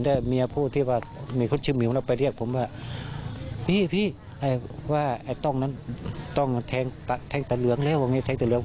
แล้วมาที่หลังได้ถามว่ามันเกิดอะไรขึ้นหรือ